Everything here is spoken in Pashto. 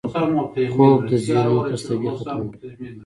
خوب د ذهنو خستګي ختموي